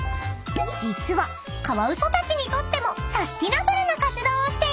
［実はカワウソたちにとってもサスティナブルな活動をしているんです］